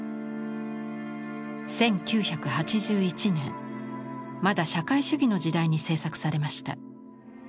１９８１年まだ社会主義の時代に制作されました。